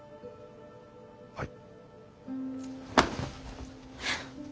はい。